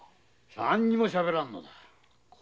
何もしゃべらんのだ。